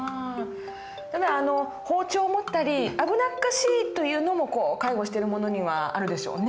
ただ包丁を持ったり危なっかしいというのも介護してる者にはあるでしょうね。